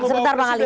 sebentar bang ali